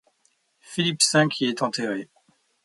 Philippe V y est enterré.